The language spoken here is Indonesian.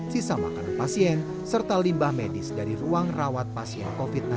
sisa makanan pasien serta limbah medis dari ruang rawat pasien covid sembilan belas